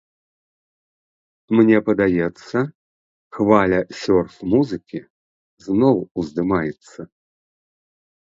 Мне падаецца, хваля сёрф-музыкі зноў ўздымаецца.